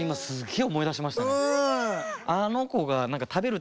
え